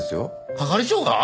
係長が？